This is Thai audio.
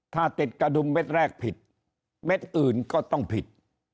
ถ้าติดกระดุมเม็ดแรกผิดเม็ดอื่นก็ต้องผิด